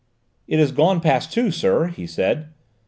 "It has gone two, sir," he said.